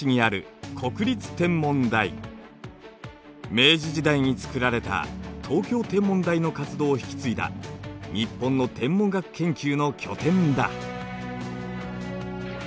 明治時代に造られた東京天文台の活動を引き継いだ日本の天文学研究の拠点だ。